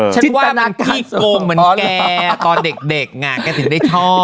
ฉันว่ามันพี่โกงเหมือนแกตอนเด็กง่ะแกถึงได้ชอบ